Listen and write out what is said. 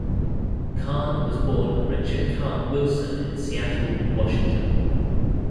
Karn was born Richard Karn Wilson in Seattle, Washington.